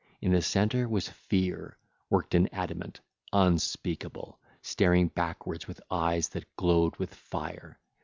In the centre was Fear worked in adamant, unspeakable, staring backwards with eyes that glowed with fire.